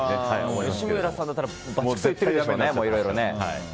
吉村さんだったらバチクソ言ってるでしょうね。